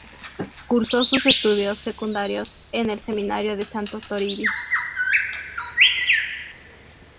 Cursó sus estudios secundarios en el Seminario de Santo Toribio.